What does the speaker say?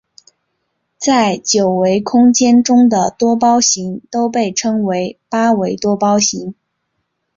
在九维空间中的多胞形都被称为八维多胞形。